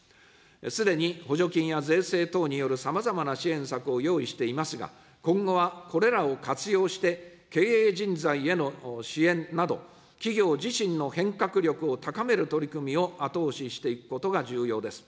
すでに補助金や税制等によるさまざまな支援策を用意していますが、今後はこれらを活用して、経営人材への支援など、企業自身の変革力を高める取り組みを後押ししていくことが重要です。